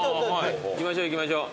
行きましょう行きましょう。